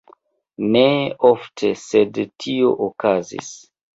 Ne ofte, sed tio okazis.